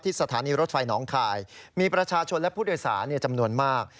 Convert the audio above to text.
สถานีรถไฟน้องคายมีประชาชนและผู้โดยสารจำนวนมาก